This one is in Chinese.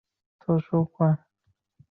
现任校长高海燕。